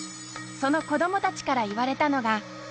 その子どもたちから言われたのが。